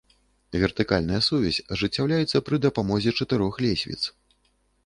Вертыкальная сувязь ажыццяўляецца пры дапамозе чатырох лесвіц.